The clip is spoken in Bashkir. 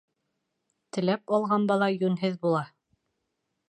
Теләп алған бала йүнһеҙ була.